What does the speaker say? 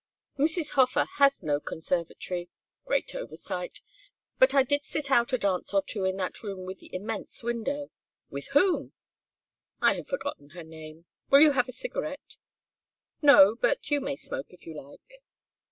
"Mrs. Hofer has no conservatory. Great oversight. But I did sit out a dance or two in that room with the immense window " "With whom?" "I have forgotten her name. Will you have a cigarette?" "No, but you may smoke if you like."